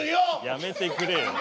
やめてくれよ。